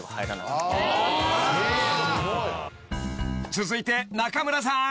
［続いて仲村さん］